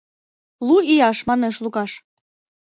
— Лу ияш, — манеш Лукаш.